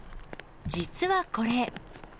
実はこれ。